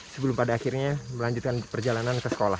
sebelum pada akhirnya melanjutkan perjalanan ke sekolah